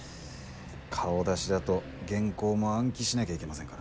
顔出しだと原稿も暗記しなきゃいけませんからね。